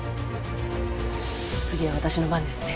次は私の番ですね。